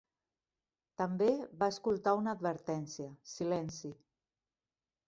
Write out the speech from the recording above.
També va escoltar una advertència "Silenci"!